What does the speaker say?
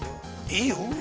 ◆いいよ。